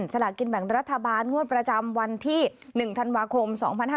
สลากินแบ่งรัฐบาลงวดประจำวันที่๑ธันวาคม๒๕๕๙